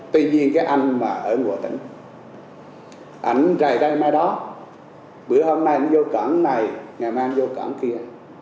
tuy nhiên anh ở ngụa tỉnh anh rời đây mai đó bữa hôm nay anh vô cận này ngày mai anh vô cận kia